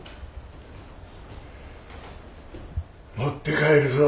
持って帰るぞ。